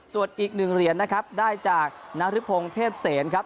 ส่วนอีกหนึ่งเหรียญนะครับได้จากนริพงศ์เทพเสนครับ